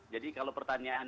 jadi kalau pertanyaan